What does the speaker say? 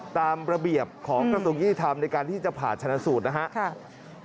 ตามระเบียบของกระทรวงยุติธรรมในการที่จะผ่าชนะสูตรนะครับ